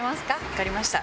わかりました。